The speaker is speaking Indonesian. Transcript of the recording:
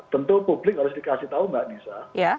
tentu publik harus dikasih tahu mbak nisa